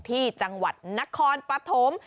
ที่จังหวัดนครปฐม